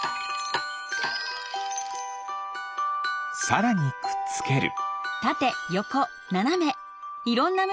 さらにくっつける。